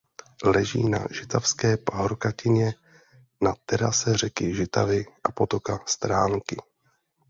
Leží na Žitavské pahorkatině na terase řeky Žitavy a potoka Stránky.